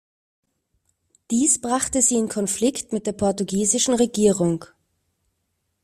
Dies brachte sie in Konflikt mit der portugiesischen Regierung.